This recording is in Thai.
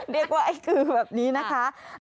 เรียกว่าไอ้กือแบบนี้นะคะ